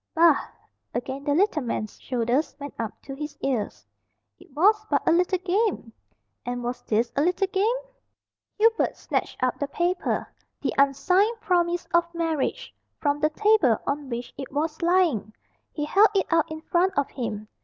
"Bah!" Again the little man's shoulders went up to his ears. "It was but a little game." "And was this a little game?" Hubert snatched up the paper, the unsigned promise of marriage, from the table on which it was lying; he held it out in front of him.